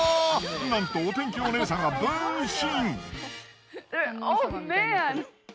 なんとお天気お姉さんが分身！